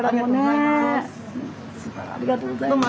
ありがとうございます。